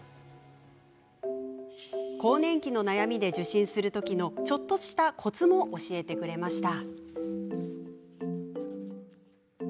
更年期の悩みで受診する時のちょっとしたコツも教えてくれました。